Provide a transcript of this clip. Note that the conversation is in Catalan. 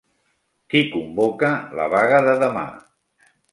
Qui convoca la vaga de demà?